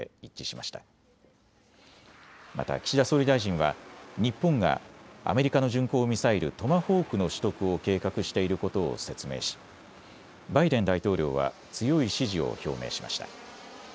また岸田総理大臣は日本がアメリカの巡航ミサイルトマホークの取得を計画していることを説明しバイデン大統領は強い支持を表明しました。